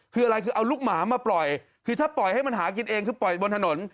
คืออะไรคือเอาลูกหมามาปล่อยคือถ้าปล่อยให้มันหากินเองคือปล่อยบนถนน